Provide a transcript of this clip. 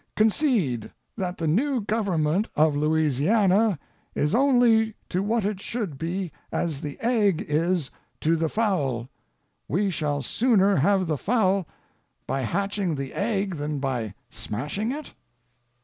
Concede that the new government of Louisiana is only to what it should be as the egg is to the fowl, we shall sooner have the fowl by hatching the egg than by smashing it?